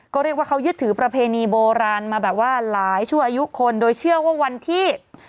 ก็เรียกว่าเขายึดถือประเพณีโบราณมาแบบว่าหลายชั่วอายุคนโดยเชื่อว่าวันที่